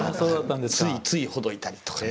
ついついほどいたりとかね。